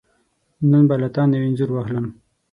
نن به له تانه یو انځور واخلم .